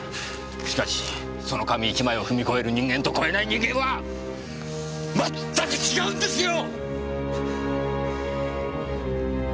しかしその紙１枚を踏み越える人間と越えない人間はまったく違うんですよ！！